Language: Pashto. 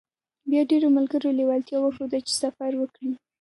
بيا ډېرو ملګرو لېوالتيا وښوده چې سفر وکړي.